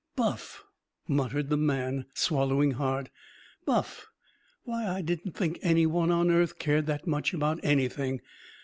"Buff!" muttered the man, swallowing hard. "Buff! Why, I didn't think anyone on earth cared that much about anything!